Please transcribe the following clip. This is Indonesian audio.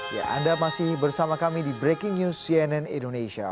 ya anda masih bersama kami di breaking news cnn indonesia